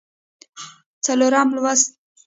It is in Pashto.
څلورم لوست